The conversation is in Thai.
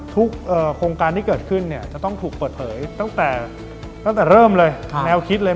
โครงการที่เกิดขึ้นเนี่ยจะต้องถูกเปิดเผยตั้งแต่ตั้งแต่เริ่มเลยแนวคิดเลย